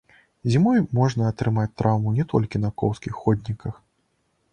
Зімой можна атрымаць траўму не толькі на коўзкіх ходніках.